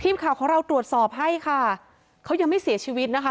ทีมข่าวของเราตรวจสอบให้ค่ะเขายังไม่เสียชีวิตนะคะ